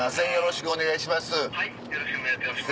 よろしくお願いします